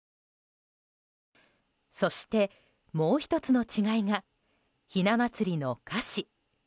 そして、もう１つの違いがひな祭りの菓子。